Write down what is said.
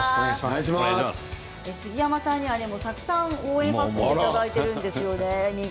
杉山さんには、たくさん応援のメッセージもいただいているんですよね